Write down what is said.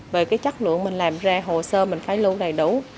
về cái chất lượng mình làm ra hồ sơ mình phải lưu đầy đủ